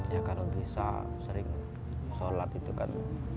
ya kalau bisa sering sholat itu kan